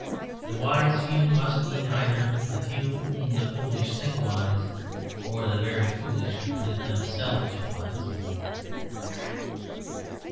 "The wise few" must mean either the few whom the foolish think wise or the very foolish who think themselves wise.